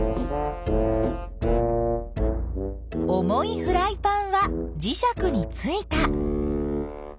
重いフライパンはじしゃくについた。